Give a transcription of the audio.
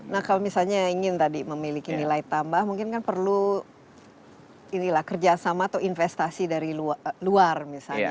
nah kalau misalnya ingin tadi memiliki nilai tambah mungkin kan perlu kerjasama atau investasi dari luar misalnya